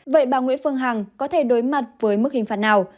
vậy bà nguyễn phương hằng có thể đối mặt với mức hình phạt nào